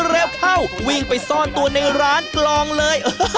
เร็วเข้าวิ่งไปซ่อนตัวในร้านกลองเลย